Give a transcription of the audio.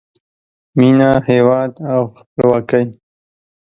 مینه، هیواد او خپلواکۍ